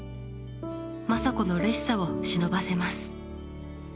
政子のうれしさをしのばせます。